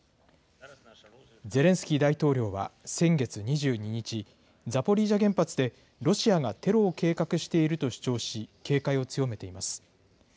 ゼレンスキー大統領は先月２２日、ザポリージャ原発で、ロシアがテロを計画していると主張し、警戒を強めています。